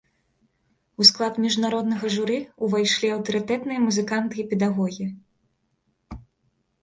У склад міжнароднага журы ўвайшлі аўтарытэтныя музыканты і педагогі.